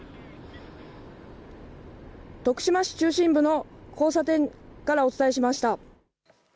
徳島市中心部の交差点からお伝えしました。